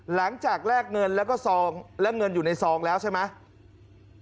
แลกเงินแล้วก็ซองและเงินอยู่ในซองแล้วใช่ไหม